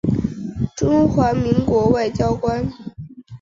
中华民国外交官。